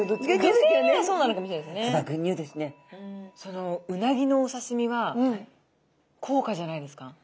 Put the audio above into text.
そのうなぎのお刺身は高価じゃないですか？